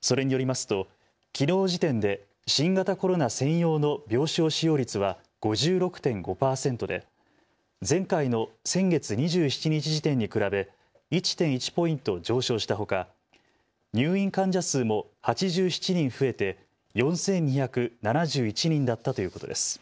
それによりますと、きのう時点で新型コロナ専用の病床使用率は５６．５％で前回の先月２７日時点に比べ１．１ポイント上昇したほか、入院患者数も８７人増えて４２７１人だったということです。